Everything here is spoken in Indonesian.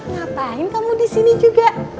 ngapain kamu disini juga